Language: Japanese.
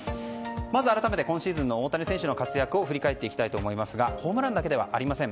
まず改めて今シーズンの大谷選手の活躍を振り返っていきたいと思いますがホームランだけではありません。